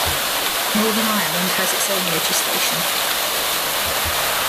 Northern Ireland has its own legislation.